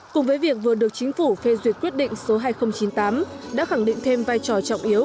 cùng với việc vừa được chính phủ phê duyệt quyết định số hai nghìn chín mươi tám đã khẳng định thêm vai trò trọng yếu